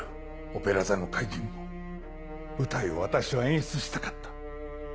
『オペラ座の怪人』の舞台を私は演出したかった。